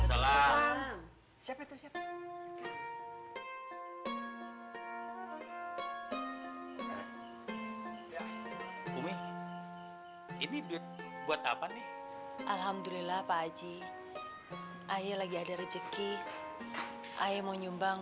siapa siapa ini buat apa nih alhamdulillah pak aji ayo lagi ada rezeki ayo mau nyumbang